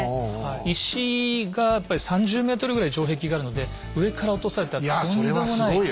石がやっぱり３０ｍぐらい城壁があるので上から落とされたらとんでもない。